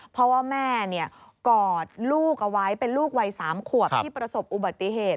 เพราะว่าแม่กอดลูกเอาไว้เป็นลูกวัย๓ขวบที่ประสบอุบัติเหตุ